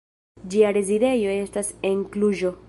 Ĝia rezidejo estas en Kluĵo.